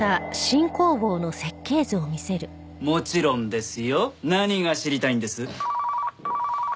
もちろんですよ。何が知りたいんです？